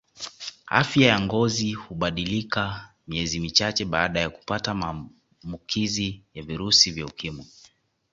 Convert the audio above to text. Afya ya ngozi hubadilika miezi michache baada ya kupata maamukizi ya virusi vya ukimwi